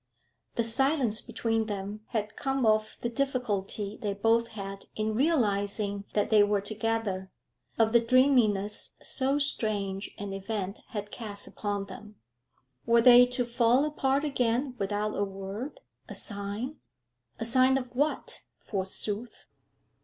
The silence between them had come of the difficulty they both had in realising that they were together, of the dreaminess so strange an event had cast upon them. Were they to fall apart again without a word, a sign? A sign of what, forsooth?